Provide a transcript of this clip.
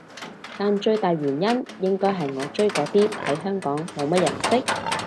但最大原因應該係我追嗰啲喺香港冇乜人識